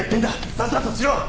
さっさとしろ！